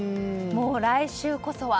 もう来週こそは。